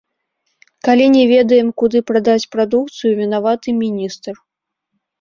Калі не ведаем, куды прадаць прадукцыю, вінаваты міністр.